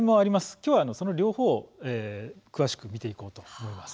今日は、その両方を詳しく見ていこうと思います。